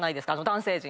男性陣？